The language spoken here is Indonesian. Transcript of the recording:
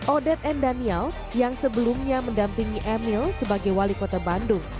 odet n daniel yang sebelumnya mendampingi emil sebagai wali kota bandung